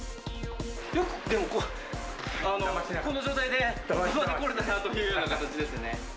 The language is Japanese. よくでもこの状態でここまで来れたなというような形ですね。